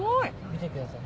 見てください。